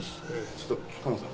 ちょっとカモさん。